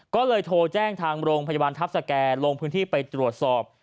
ก็เลยโทรแจ้งทางโรงพยาบาลทัพสแก่ลงพื้นที่ไปตรวจสอบ